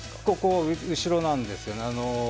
ここ後ろなんですよね。